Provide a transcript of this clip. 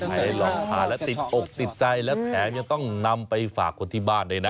ให้ลองทานแล้วติดอกติดใจและแถมยังต้องนำไปฝากคนที่บ้านด้วยนะ